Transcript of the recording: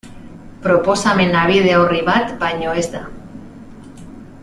Proposamena bide orri bat baino ez da.